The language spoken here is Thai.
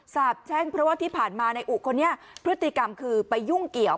สาบแช่งเพราะว่าที่ผ่านมานายอุคนนี้พฤติกรรมคือไปยุ่งเกี่ยว